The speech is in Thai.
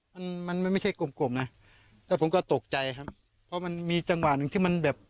มันมันไม่ใช่กลมกลมนะแล้วผมก็ตกใจครับเพราะมันมีจังหวะหนึ่งที่มันแบบ